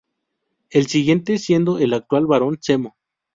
Él sigue siendo el actual Barón Zemo.